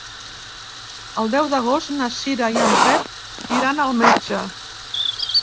El deu d'agost na Cira i en Pep iran al metge.